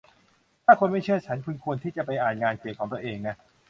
ถ้าคุณไม่เชื่อฉัน คุณควรที่จะไปอ่านงานเขียนของตัวเองนะ